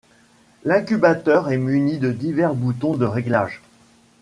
L'incubateur est muni de divers boutons de réglage.